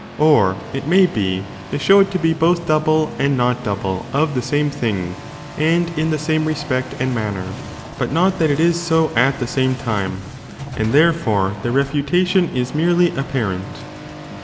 Or, it may be, they show it to be both double and not double of the same thing and in the same respect and manner, but not that it is so at the same time : and therefore their refutation is merely 35 apparent.